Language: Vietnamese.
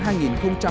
với mục tiêu hàng năm